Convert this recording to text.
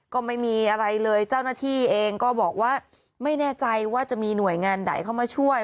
ก็ไม่มีอะไรเลยเจ้าหน้าที่เองก็บอกว่าไม่แน่ใจว่าจะมีหน่วยงานใดเข้ามาช่วย